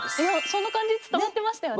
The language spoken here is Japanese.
そんな感じ伝わってましたよね。